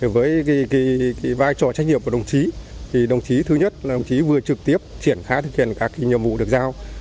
với vai trò trách nhiệm của đồng chí đồng chí thứ nhất là đồng chí vừa trực tiếp triển khai thực hiện các nhiệm vụ được giao